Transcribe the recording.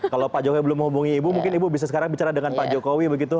kalau pak jokowi belum menghubungi ibu mungkin ibu bisa sekarang bicara dengan pak jokowi begitu